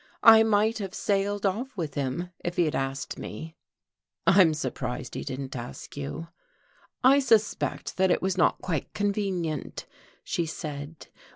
"I might have sailed off with him, if he had asked me." "I'm surprised he didn't ask you." "I suspect that it was not quite convenient," she said.